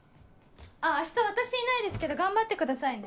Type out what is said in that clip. あっ明日私いないですけど頑張ってくださいね。